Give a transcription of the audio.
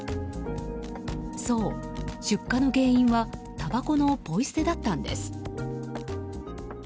そう、出火の原因はたばこのポイ捨てだったんです。